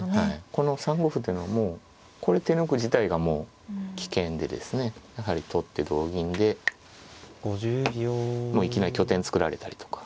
この３五歩っていうのはもうこれ手抜く自体がもう危険でですねやはり取って同銀でもういきなり拠点作られたりとか。